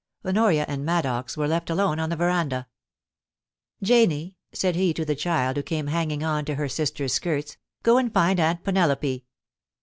Honoria and Maddox were left alone on the verandah. * Janie,' said he to the child, who came hanging on to her sister's skirts, * go and find Aunt Penelope.'